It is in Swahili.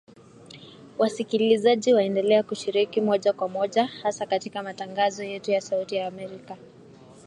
Wasikilizaji waendelea kushiriki moja kwa moja hasa katika matangazo yetu ya sauti ya Amerika